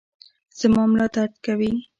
زما ملا درد کوي